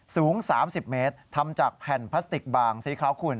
สูง๓๐เมตรทำจากแผ่นพลาสติกบางสีขาวขุ่น